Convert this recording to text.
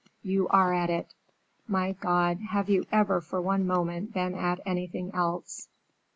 You are at it. My God! have you ever, for one moment, been at anything else?"